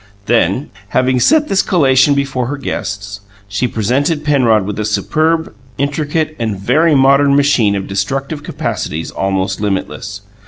Then, having set this collation before her guests, she presented Penrod with a superb, intricate, and very modern machine of destructive capacities almost limitless.